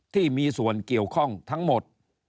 ที่มีส่วนเกี่ยวข้องทั้งหมด